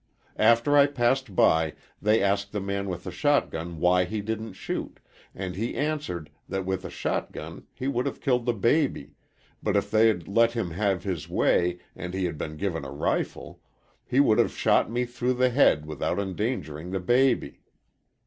After I passed by they asked the man with the shotgun why he didn't shoot, and he answered that with a shotgun he would have killed the baby, but if they had let him have his way and he had been given a rifle, he would have shot me through the head without endangering the baby.